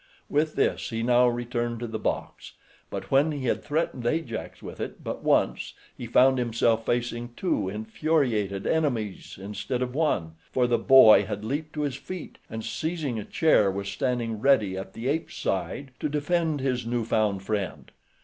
With this he now returned to the box; but when he had threatened Ajax with it but once he found himself facing two infuriated enemies instead of one, for the boy had leaped to his feet, and seizing a chair was standing ready at the ape's side to defend his new found friend.